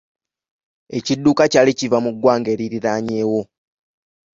Ekidduka kyali kiva mu ggwanga eririnaanyeewo.